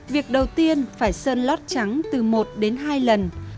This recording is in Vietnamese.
việc đầu tiên phải sơn lót trắng từ một đến hai lần